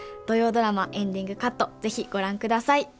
土曜ドラマ「エンディングカット」是非ご覧ください。